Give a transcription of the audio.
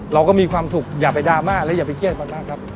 เราก็มีความสุขอย่าไปดราม่าและอย่าไปเครียดมันมากครับ